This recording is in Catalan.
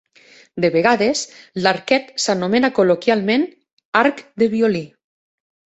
De vegades, l'arquet s'anomena col·loquialment "arc de violí".